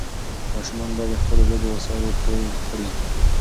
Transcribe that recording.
ماشومان باید د خپلو لوبو وسایل ټول کړي.